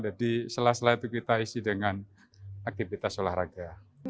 jadi selesai selesai itu kita isi dengan aktivitas olahraga